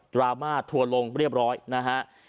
ดราม่าถั่วลงเรียบร้อยนะครับ